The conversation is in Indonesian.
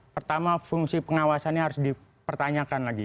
pertama fungsi pengawasannya harus dipertanyakan lagi